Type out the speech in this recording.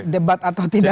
debat atau tidak